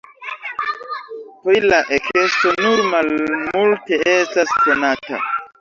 Pri la ekesto nur malmulte estas konata.